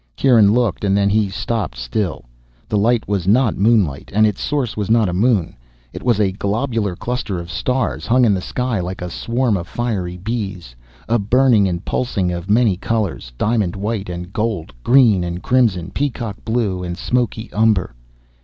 Kieran looked, and then he stopped still. The light was not moonlight, and its source was not a moon. It was a globular cluster of stars, hung in the sky like a swarm of fiery bees, a burning and pulsing of many colors, diamond white and gold, green and crimson, peacock blue and smoky umber.